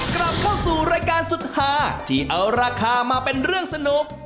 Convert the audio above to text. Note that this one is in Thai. กลับเข้าสู่รายการสุดหาที่เอาราคามาเป็นเรื่องสนุก